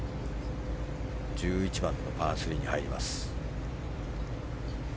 １１番のパー３に入ります。